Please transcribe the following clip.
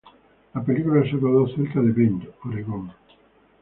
La película se rodó cerca de Bend, Oregón.